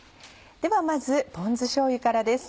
ではまずポン酢しょうゆからです。